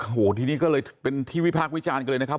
โอ้โหทีนี้ก็เลยเป็นที่วิพากษ์วิจารณ์กันเลยนะครับ